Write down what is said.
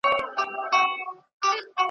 ځه ته هم پر هغه لاره چي یاران دي باندي تللي .